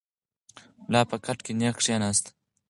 ملا په کټ کې نېغ کښېناست.